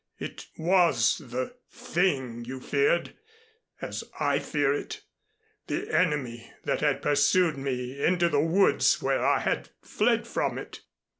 It was the Thing you feared, as I fear it, the Enemy that had pursued me into the woods where I had fled from it."